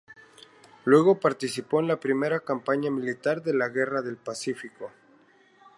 Luego participó en la primera campaña militar de la Guerra del Pacífico.